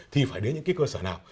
thì phải đến những cơ sở nào